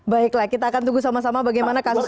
baiklah kita akan tunggu sama sama bagaimana kasus ini